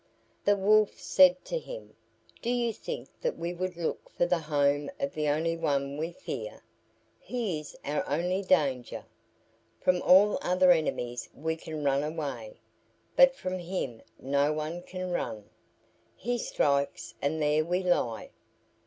The Wolf said to him, "Do you think that we would look for the home of the only one we fear? He is our only danger. From all other enemies we can run away, but from him no one can run. He strikes and there we lie.